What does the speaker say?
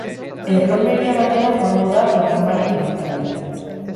Erromeria batera joango da programaren lantaldea.